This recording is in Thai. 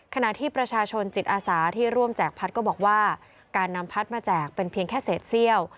ขณะที่ประชาชนจิตอาสาที่ร่วมแจกพัดก็บอกว่าการนำพัดมาแจกเป็นเพียงแค่เศษเซี่ยว